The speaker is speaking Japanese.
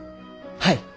はい！